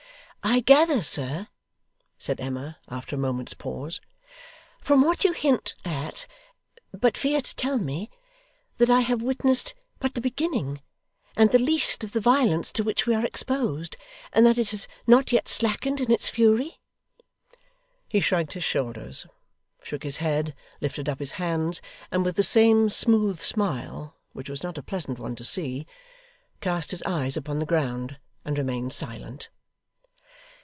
'I gather, sir,' said Emma, after a moment's pause, 'from what you hint at, but fear to tell me, that I have witnessed but the beginning, and the least, of the violence to which we are exposed, and that it has not yet slackened in its fury?' He shrugged his shoulders, shook his head, lifted up his hands; and with the same smooth smile, which was not a pleasant one to see, cast his eyes upon the ground, and remained silent.